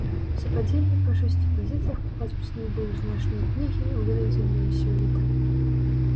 Супадзенні па шасці пазіцыях паказваюць найбольш значныя кнігі, выдадзеныя сёлета.